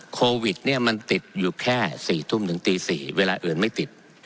โควิดเนี่ยมันติดอยู่แค่๔ทุ่มถึงตี๔เวลาอื่นไม่ติด